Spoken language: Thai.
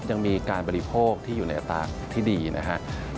ยังมีการบริโภคที่อยู่ในอัตราที่ดีนะครับ